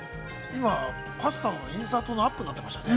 今、パスタのインサートのアップになっていましたね。